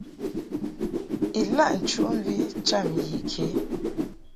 Ilaʼ nchuʼmvi cham yi ke.